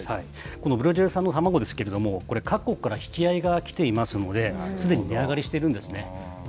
このブラジル産の卵ですけれども、これ、各国から引き合いが来ていますので、すでに値上がりしてるんですね。